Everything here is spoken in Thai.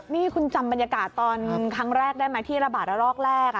นี่คุณจำบรรยากาศตอนครั้งแรกได้ไหมที่ระบาดระลอกแรก